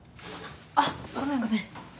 あっごめんごめん。